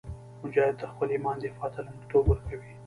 مجاهد د خپل ایمان دفاع ته لومړیتوب ورکوي.